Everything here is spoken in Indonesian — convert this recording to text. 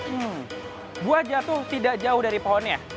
hmm buah jatuh tidak jauh dari pohonnya